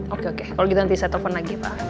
oke oke kalau gitu nanti saya telepon lagi pak